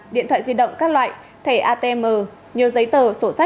điện thoại di động các loại thẻ atm nhiều giấy tờ sổ sách